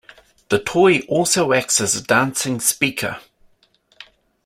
The toy also acts as a dancing speaker.